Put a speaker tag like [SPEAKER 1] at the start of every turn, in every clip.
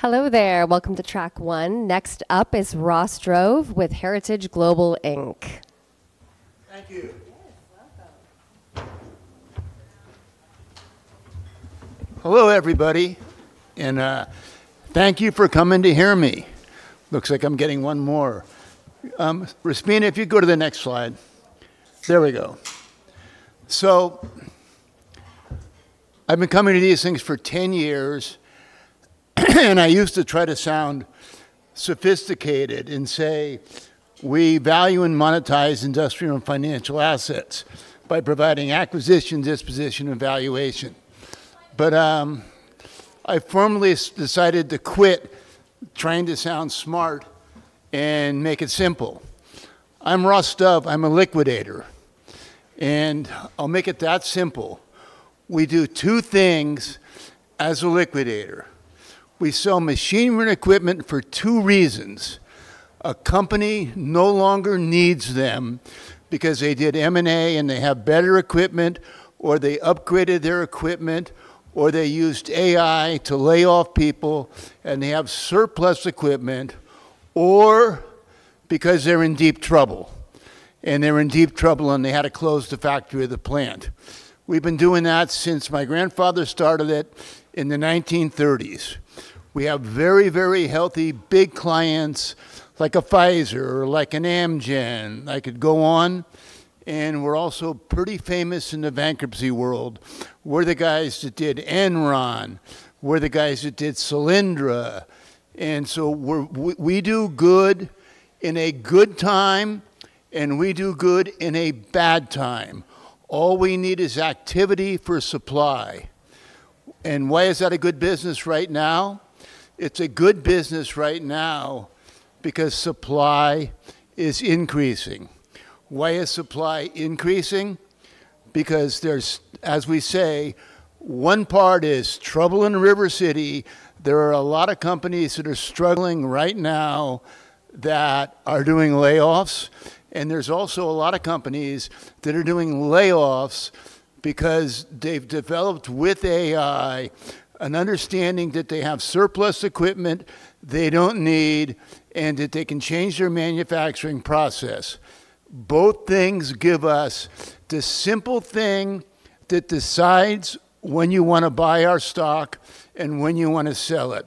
[SPEAKER 1] Hello there. Welcome to Track One. Next up is Ross Dove with Heritage Global Inc.
[SPEAKER 2] Thank you.
[SPEAKER 1] Yes, welcome.
[SPEAKER 2] Hello, everybody, and thank you for coming to hear me. Looks like I'm getting one more. Rospina, if you'd go to the next slide. There we go. I've been coming to these things for 10 years, and I used to try to sound sophisticated and say, "We value and monetize industrial and financial assets by providing acquisition, disposition, and valuation." I firmly decided to quit trying to sound smart and make it simple. I'm Ross Dove, I'm a liquidator, and I'll make it that simple. We do two things as a liquidator. We sell machinery and equipment for two reasons. A company no longer needs them because they did M&A and they have better equipment, or they upgraded their equipment, or they used AI to lay off people, and they have surplus equipment, or because they're in deep trouble and they had to close the factory or the plant. We've been doing that since my grandfather started it in the 1930s. We have very, very healthy, big clients like a Pfizer or like an Amgen. I could go on. We're also pretty famous in the bankruptcy world. We're the guys that did Enron. We're the guys that did Solyndra. We do good in a good time, and we do good in a bad time. All we need is activity for supply. Why is that a good business right now? It's a good business right now because supply is increasing. Why is supply increasing? Because there's, as we say, one part is trouble in River City. There are a lot of companies that are struggling right now that are doing layoffs, and there's also a lot of companies that are doing layoffs because they've developed with AI an understanding that they have surplus equipment they don't need, and that they can change their manufacturing process. Both things give us the simple thing that decides when you want to buy our stock and when you want to sell it.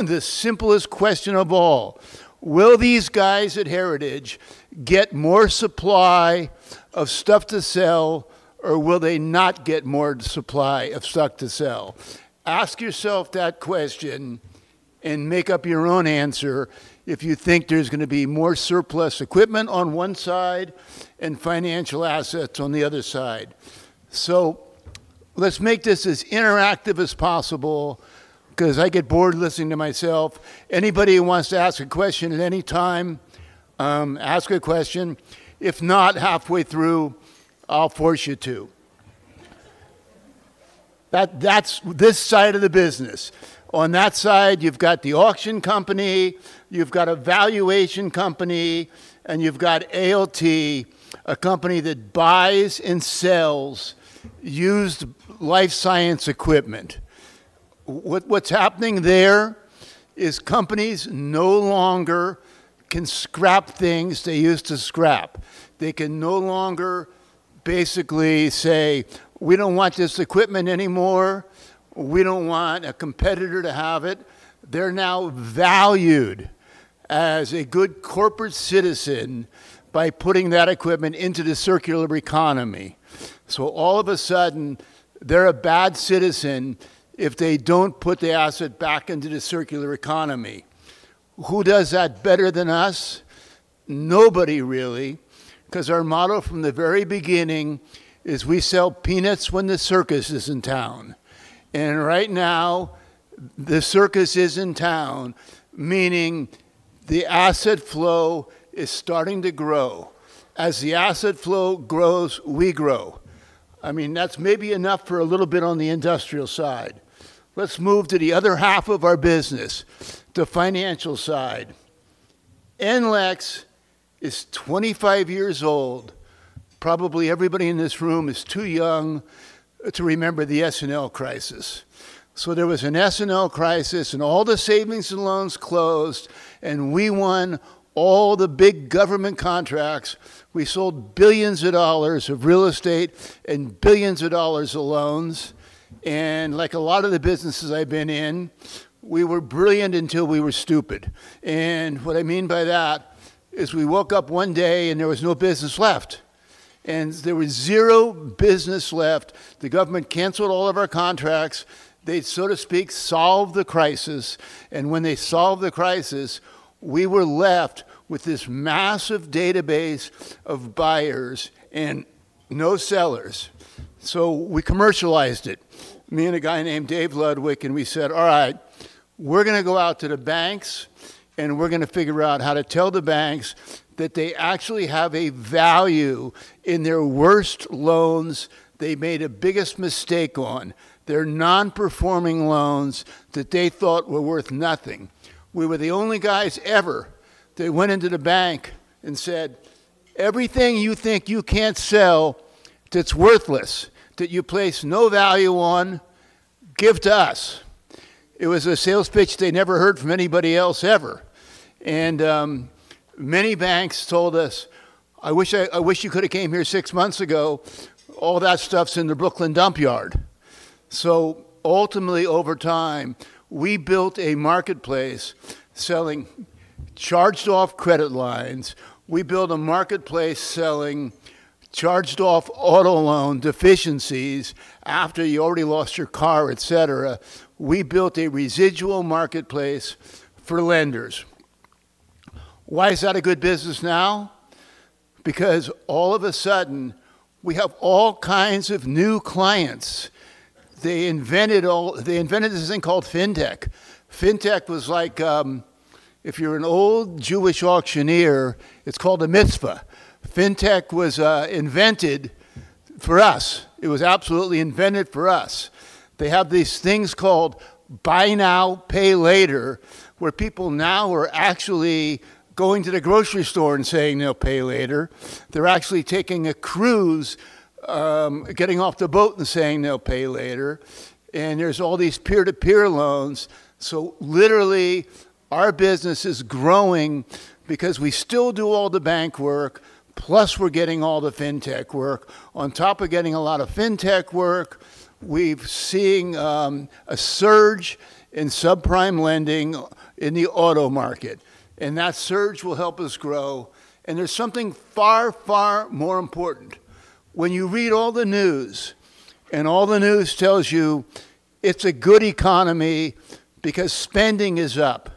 [SPEAKER 2] The simplest question of all, will these guys at Heritage get more supply of stuff to sell or will they not get more supply of stuff to sell? Ask yourself that question and make up your own answer if you think there's going to be more surplus equipment on one side and financial assets on the other side. Let's make this as interactive as possible because I get bored listening to myself. Anybody who wants to ask a question at any time, ask a question. If not, halfway through, I'll force you to. That's this side of the business. On that side, you've got the auction company, you've got a valuation company, and you've got ALT, a company that buys and sells used life science equipment. What's happening there is companies no longer can scrap things they used to scrap. They can no longer basically say, "We don't want this equipment anymore. We don't want a competitor to have it." They're now valued as a good corporate citizen by putting that equipment into the circular economy. All of a sudden, they're a bad citizen if they don't put the asset back into the circular economy. Who does that better than us? Nobody, really, 'cause our motto from the very beginning is, "We sell peanuts when the circus is in town." Right now, the circus is in town, meaning the asset flow is starting to grow. As the asset flow grows, we grow. I mean, that's maybe enough for a little bit on the industrial side. Let's move to the other half of our business, the financial side. NLEX is 25 years old. Probably everybody in this room is too young to remember the S&L crisis. There was an S&L crisis, and all the savings and loans closed, and we won all the big government contracts. We sold $ billions of real estate and $ billions of loans. Like a lot of the businesses I've been in, we were brilliant until we were stupid. What I mean by that is we woke up one day and there was no business left. There was zero business left. The government canceled all of our contracts. They, so to speak, solved the crisis. When they solved the crisis, we were left with this massive database of buyers and no sellers. We commercialized it, me and a guy named David Ludwig, and we said, "All right. We're gonna go out to the banks, and we're gonna figure out how to tell the banks that they actually have a value in their worst loans they made a biggest mistake on, their non-performing loans that they thought were worth nothing. We were the only guys ever that went into the bank and said, "Everything you think you can't sell, that's worthless, that you place no value on, give to us." It was a sales pitch they never heard from anybody else ever. Many banks told us, "I wish, I wish you coulda came here six months ago. All that stuff's in the Brooklyn dump yard." Ultimately, over time, we built a marketplace selling charged-off credit lines. We built a marketplace selling charged-off auto loan deficiencies after you already lost your car, et cetera. We built a residual marketplace for lenders. Why is that a good business now? All of a sudden, we have all kinds of new clients. They invented this thing called fintech. Fintech was like, if you're an old Jewish auctioneer, it's called a mitzvah. Fintech was invented for us. It was absolutely invented for us. They have these things called buy now, pay later, where people now are actually going to the grocery store and saying they'll pay later. They're actually taking a cruise, getting off the boat and saying they'll pay later. There's all these peer-to-peer loans. Literally, our business is growing because we still do all the bank work, plus we're getting all the fintech work. On top of getting a lot of fintech work, we're seeing a surge in subprime lending in the auto market, that surge will help us grow. There's something far, far more important. When you read all the news, and all the news tells you it's a good economy because spending is up,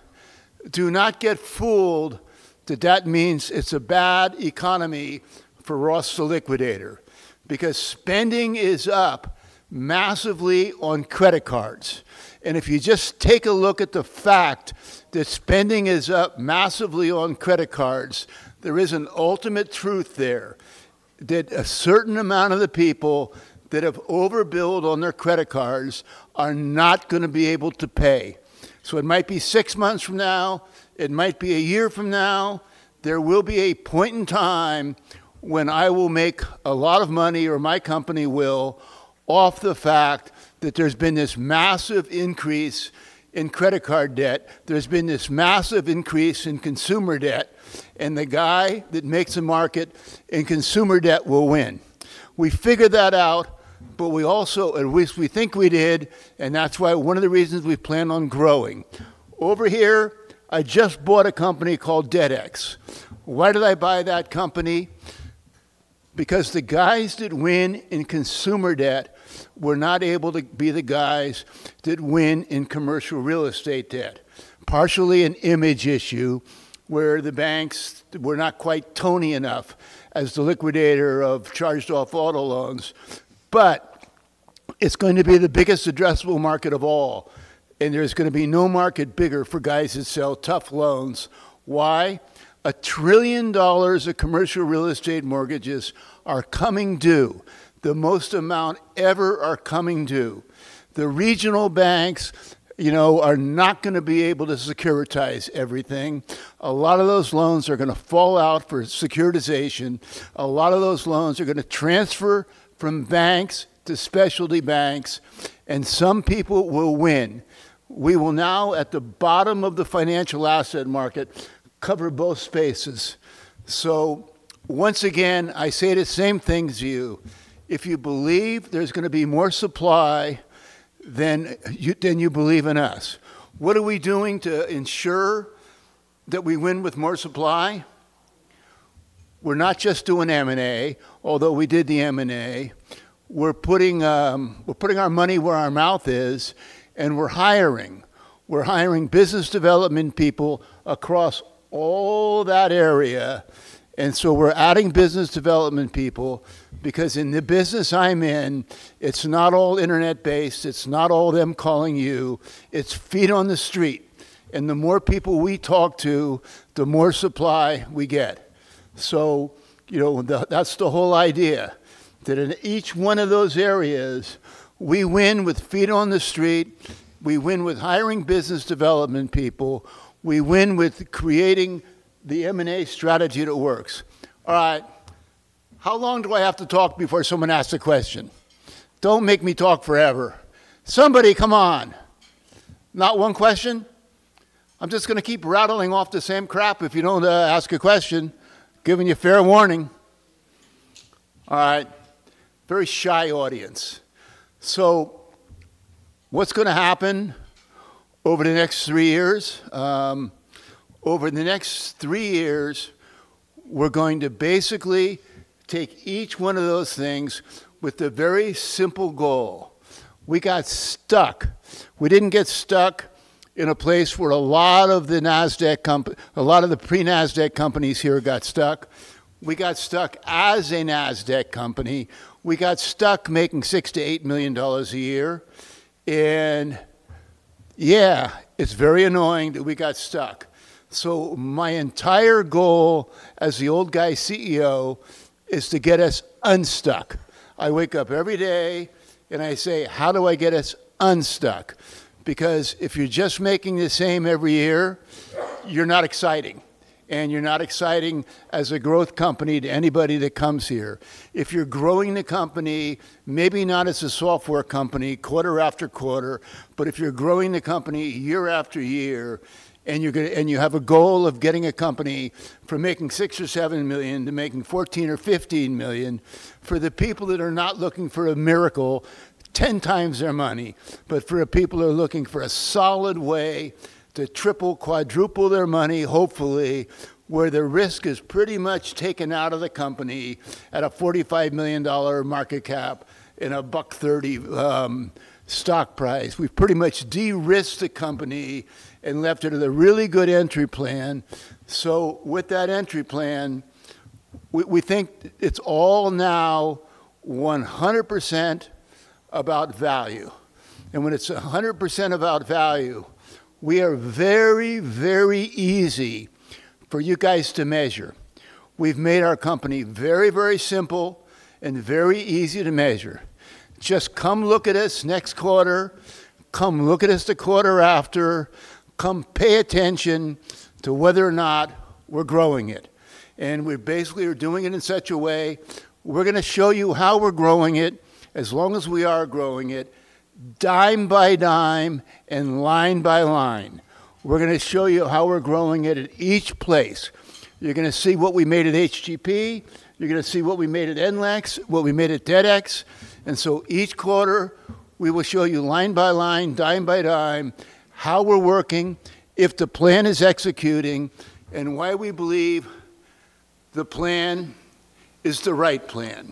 [SPEAKER 2] do not get fooled that that means it's a bad economy for Ross the Liquidator because spending is up massively on credit cards. If you just take a look at the fact that spending is up massively on credit cards, there is an ultimate truth there, that a certain amount of the people that have overbilled on their credit cards are not gonna be able to pay. It might be six months from now. It might be a year from now. There will be a point in time when I will make a lot of money, or my company will, off the fact that there's been this massive increase in credit card debt. There's been this massive increase in consumer debt. The guy that makes a market in consumer debt will win. We figured that out, but we also, at least we think we did, and that's why, one of the reasons we plan on growing. Over here, I just bought a company called DebtX. Why did I buy that company? Because the guys that win in consumer debt were not able to be the guys that win in commercial real estate debt. Partially an image issue, where the banks were not quite tony enough as the liquidator of charged-off auto loans. It's going to be the biggest addressable market of all, and there's gonna be no market bigger for guys that sell tough loans. Why? $1 trillion of commercial real estate mortgages are coming due, the most amount ever are coming due. The regional banks, you know, are not gonna be able to securitize everything. A lot of those loans are gonna fall out for securitization. A lot of those loans are gonna transfer from banks to specialty banks, and some people will win. We will now, at the bottom of the financial asset market, cover both spaces. Once again, I say the same thing to you. If you believe there's gonna be more supply, then you believe in us. What are we doing to ensure that we win with more supply? We're not just doing M&A, although we did the M&A. We're putting our money where our mouth is, and we're hiring. We're hiring business development people across all that area. We're adding business development people because in the business I'm in, it's not all internet-based. It's not all them calling you. It's feet on the street. The more people we talk to, the more supply we get. You know, that's the whole idea, that in each one of those areas, we win with feet on the street. We win with hiring business development people. We win with creating the M&A strategy that works. All right, how long do I have to talk before someone asks a question? Don't make me talk forever. Somebody come on. Not one question? I'm just gonna keep rattling off the same crap if you don't ask a question. Giving you fair warning. All right. Very shy audience. What's gonna happen over the next three years? Over the next three years, we're going to basically take each one of those things with the very simple goal. We got stuck. We didn't get stuck in a place where a lot of the pre-NASDAQ companies here got stuck. We got stuck as a NASDAQ company. We got stuck making $6- 8 million a year. Yeah, it's very annoying that we got stuck. My entire goal as the old guy CEO is to get us unstuck. I wake up every day and I say, "How do I get us unstuck?" Because if you're just making the same every year, you're not exciting. You're not exciting as a growth company to anybody that comes here. If you're growing the company, maybe not as a software company quarter after quarter, if you're growing the company year after year, and you have a goal of getting a company from making $6 million or $7 million to making $14 million or $15 million, for the people that are not looking for a miracle, 10 times their money. For people who are looking for a solid way to triple, quadruple their money, hopefully, where the risk is pretty much taken out of the company at a $45 million market cap and a $1.30 stock price. We've pretty much de-risked the company and left it at a really good entry plan. With that entry plan, we think it's all now 100% about value. When it's 100% about value, we are very, very easy for you guys to measure. We've made our company very, very simple and very easy to measure. Just come look at us next quarter, come look at us the quarter after, come pay attention to whether or not we're growing it. We basically are doing it in such a way, we're gonna show you how we're growing it as long as we are growing it dime by dime and line by line. We're gonna show you how we're growing it at each place. You're gonna see what we made at HGP. You're gonna see what we made at NLEX, what we made at DebtX. Each quarter, we will show you line by line, dime by dime, how we're working, if the plan is executing, and why we believe the plan is the right plan.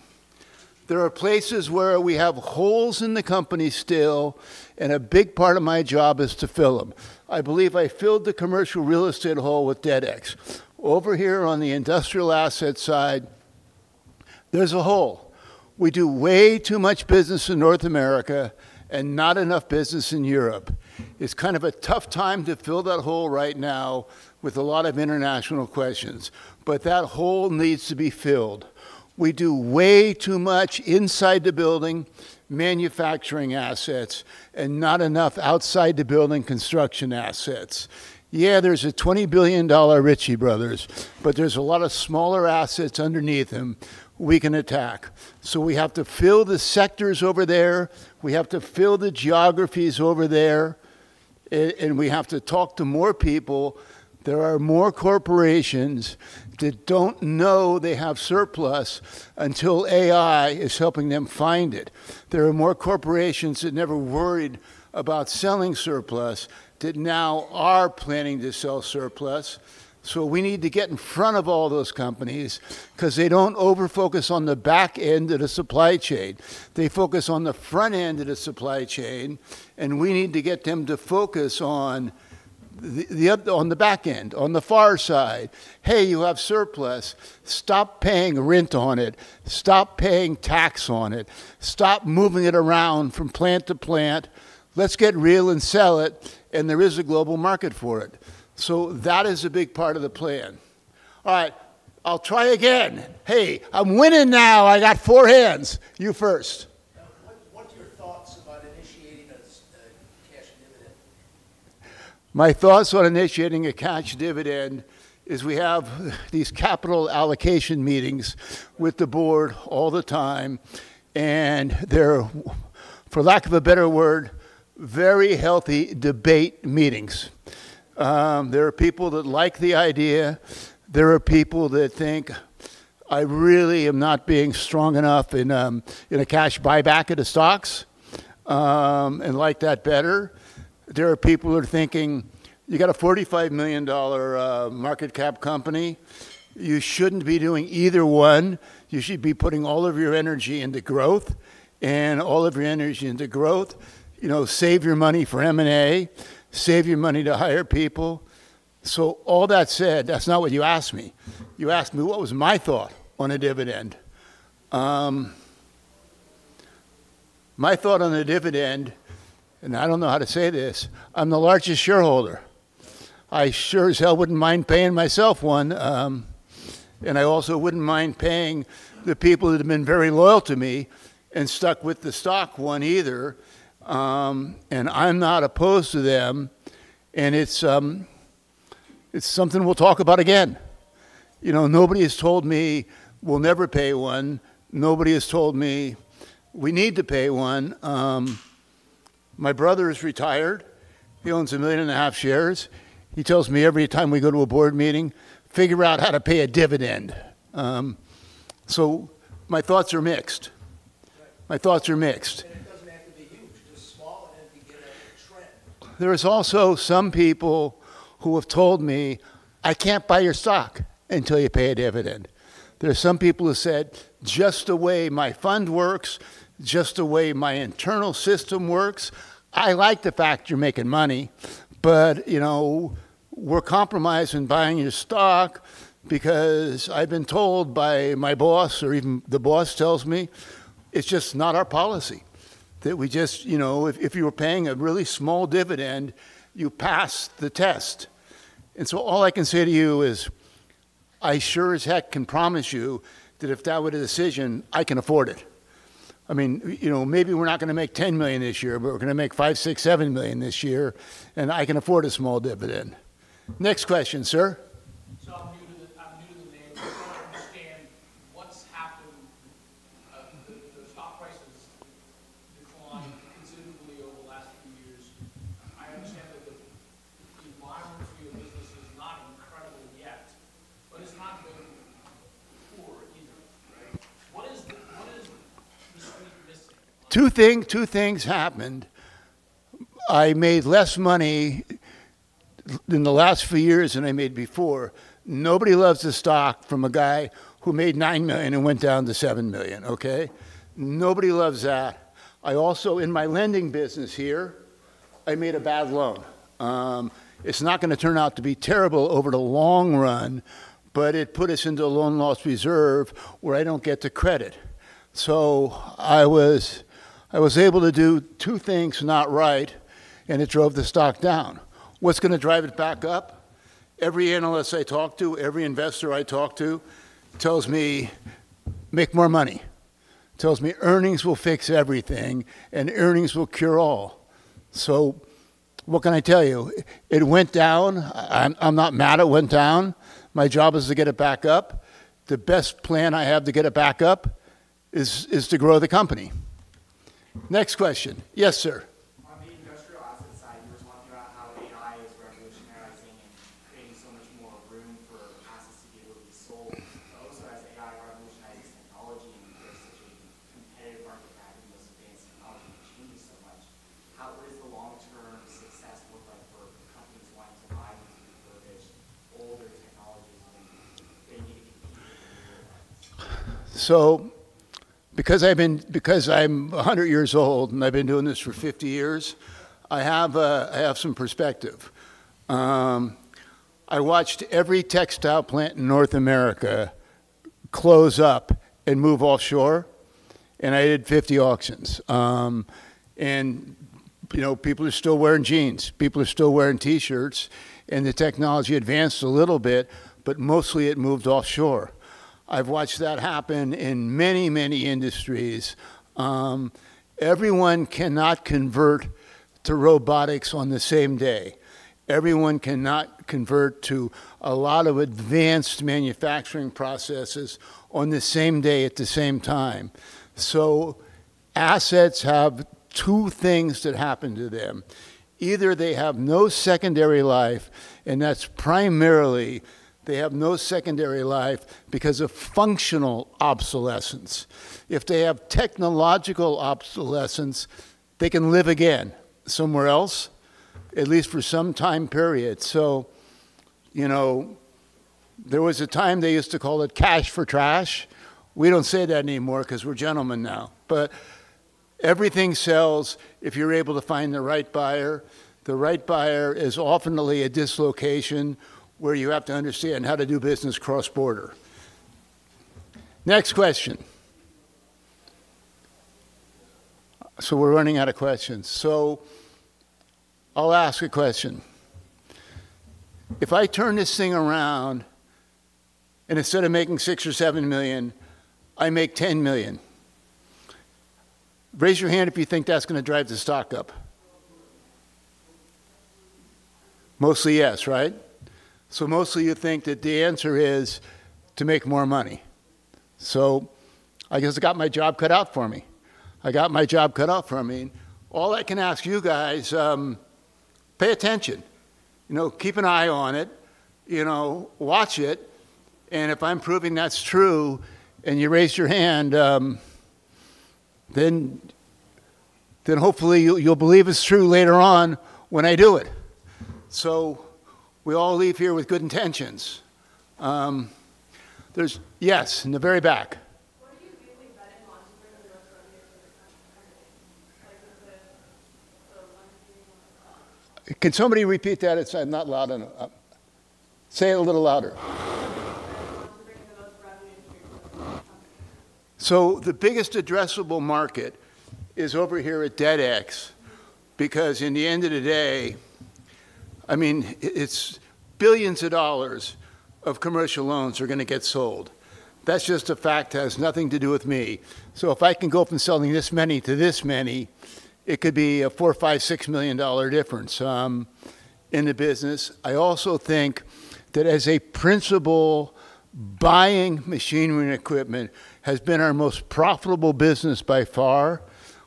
[SPEAKER 2] There are places where we have holes in the company still, and a big part of my job is to fill them. I believe I filled the commercial real estate hole with DebtX. Over here on the industrial asset side, there's a hole. We do way too much business in North America and not enough business in Europe. It's kind of a tough time to fill that hole right now with a lot of international questions, but that hole needs to be filled. We do way too much inside the building manufacturing assets and not enough outside the building construction assets. Yeah, there's a $20 billion Ritchie Brothers, but there's a lot of smaller assets underneath them we can attack. We have to fill the sectors over there, we have to fill the geographies over there, and we have to talk to more people. There are more corporations that don't know they have surplus until AI is helping them find it. There are more corporations that never worried about selling surplus that now are planning to sell surplus. We need to get in front of all those companies because they don't over-focus on the back end of the supply chain. They focus on the front end of the supply chain, and we need to get them to focus on the back end, on the far side. Hey, you have surplus. Stop paying rent on it. Stop paying tax on it. Stop moving it around from plant to plant. Let's get real and sell it, and there is a global market for it. That is a big part of the plan. All right, I'll try again. Hey, I'm winning now. I got four hands. You first. What's your thoughts about initiating a cash dividend? My thoughts on initiating a cash dividend is we have these capital allocation meetings with the board all the time, and they're, for lack of a better word, very healthy debate meetings. There are people that like the idea. There are people that think I really am not being strong enough in a cash buyback of the stocks and like that better. There are people who are thinking, "You got a $45 million market cap company. You shouldn't be doing either one. You should be putting all of your energy into growth. You know, save your money for M&A. Save your money to hire people." All that said, that's not what you asked me. You asked me what was my thought on a dividend. My thought on a dividend, and I don't know how to say this, I'm the largest shareholder. I sure as hell wouldn't mind paying myself one, and I also wouldn't mind paying the people that have been very loyal to me and stuck with the stock one either. I'm not opposed to them, and it's something we'll talk about again. You know, nobody has told me we'll never pay one. Nobody has told me we need to pay one. My brother is retired. He owns 1.5 million shares. He tells me every time we go to a board meeting, "Figure out how to pay a dividend." My thoughts are mixed. Right. My thoughts are mixed. It doesn't have to be huge. Just small and then begin a trend. There is also some people who have told me, "I can't buy your stock until you pay a dividend." There are some people who said, "Just the way my fund works, just the way my internal system works, I like the fact you're making money. You know, we're compromised in buying your stock because I've been told by my boss or even the boss tells me it's just not our policy, that we just, you know if you were paying a really small dividend, you pass the test." All I can say to you is I sure as heck can promise you that if that were the decision, I can afford it. I mean, you know, maybe we're not gonna make $10 million this year, but we're gonna make $5, 6, 7 million this year, and I can afford a small dividend. Next question, sir.
[SPEAKER 3] I'm new to the name. I don't understand what's happened. The stock price has declined considerably over the last few years. I understand that the environment for your business is not incredible yet, but it's not been poor either, right? What is the sweet missing piece?
[SPEAKER 2] Two things happened. I made less money than the last few years than I made before. Nobody loves the stock from a guy who made $9 million and went down to $7 million, okay? Nobody loves that. I also, in my lending business here, I made a bad loan. It's not gonna turn out to be terrible over the long run, but it put us into a loan loss reserve where I don't get the credit. I was able to do two things not right, and it drove the stock down. What's gonna drive it back up? Every analyst I talk to, every investor I talk to tells me, "Make more money," tells me, "Earnings will fix everything, and earnings will cure all." What can I tell you? It went down. I'm not mad it went down. My job is to get it back up. The best plan I have to get it back up is to grow the company. Next question. Yes, sir.
[SPEAKER 3] On the industrial asset side, you were talking about how AI is revolutionizing and creating so much more room for assets to be able to be sold. Also, as AI revolutionizes technology and there's such a competitive market now in those advanced technology changes so much, how does the long-term success look like for companies wanting to buy these refurbished older technologies when they need to compete with the newer products?
[SPEAKER 2] Because I'm 100 years old and I've been doing this for 50 years, I have some perspective. I watched every textile plant in North America close up and move offshore, and I did 50 auctions. You know, people are still wearing jeans. People are still wearing T-shirts, and the technology advanced a little bit, but mostly it moved offshore. I've watched that happen in many industries. Everyone cannot convert to robotics on the same day. Everyone cannot convert to a lot of advanced manufacturing processes on the same day at the same time. Assets have two things that happen to them. Either they have no secondary life, and that's primarily they have no secondary life because of functional obsolescence. If they have technological obsolescence, they can live again somewhere else, at least for some time period. You know, there was a time they used to call it cash for trash. We don't say that anymore because we're gentlemen now. Everything sells if you're able to find the right buyer. The right buyer is oftentimes a dislocation where you have to understand how to do business cross-border. Next question. We're running out of questions, so I'll ask a question. If I turn this thing around, and instead of making $6 million or $7 million, I make $10 million, raise your hand if you think that's gonna drive the stock up. Mostly yes, right? Mostly you think that the answer is to make more money. I guess I got my job cut out for me. All I can ask you guys, pay attention. You know, keep an eye on it. You know, watch it. If I'm proving that's true and you raised your hand, hopefully you'll believe it's true later on when I do it. We all leave here with good intentions. There's Yes, in the very back. What do you view as better long-term than the revenue for the company? Like with the lending or Can somebody repeat that? It's not loud enough. Say it a little louder. What do you view as better long-term than the revenue for the company? The biggest addressable market is over here at DebtX because in the end of the day, I mean, it's billions of dollars of commercial loans are gonna get sold. That's just a fact. It has nothing to do with me. If I can go from selling this many to this many, it could be a $4 million, $5 million, $6 million difference in the business. I also think that as a principal, buying machinery and equipment has been our most profitable business by far.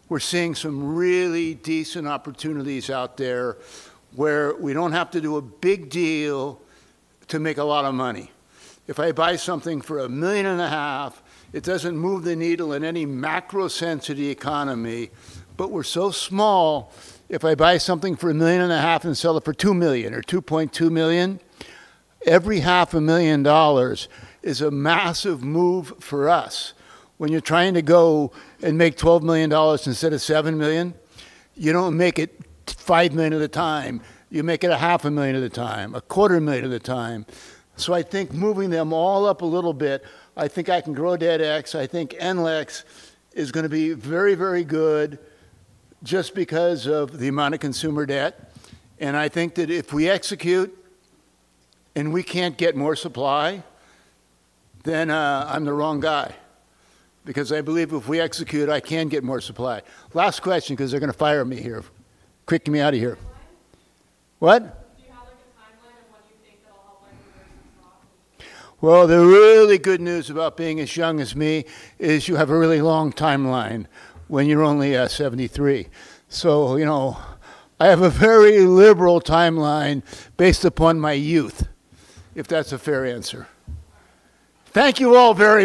[SPEAKER 2] We're seeing some really decent opportunities out there where we don't have to do a big deal to make a lot of money. If I buy something for a million and a half, it doesn't move the needle in any macro sense of the economy. We're so small, if I buy something for a million and a half and sell it for $2 million or $2.2 million, every half a million dollars is a massive move for us. When you're trying to go and make $12 million instead of $7 million, you don't make it $5 million at a time. You make it a half a million at a time, a quarter million at a time. I think moving them all up a little bit, I think I can grow DebtX. I think NLEX is gonna be very, very good just because of the amount of consumer debt. I think that if we execute and we can't get more supply, then I'm the wrong guy because I believe if we execute, I can get more supply. Last question because they're gonna fire me here, kick me out of here. Well, the really good news about being as young as me is you have a really long timeline when you're only 73. You know, I have a very liberal timeline based upon my youth, if that's a fair answer. Thank you all very.